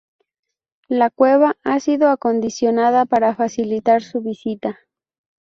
La cueva ha sido acondicionada para facilitar su visita.